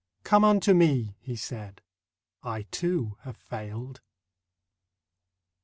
Come unto Me,' He said; 'I, too, have failed.